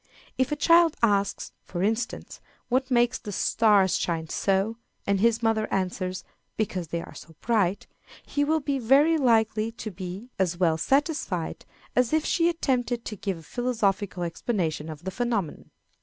If a child asks, for instance, what makes the stars shine so, and his mother answers, "Because they are so bright," he will be very likely to be as well satisfied as if she attempted to give a philosophical explanation of the phenomenon.